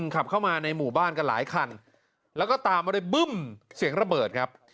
ขับเข้ามาในหมู่บ้านกันหลายคันแล้วก็ตามมาด้วยบึ้มเสียงระเบิดครับ